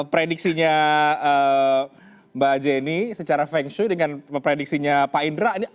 prediksinya mbak jenny secara feng shui dengan prediksinya pak indra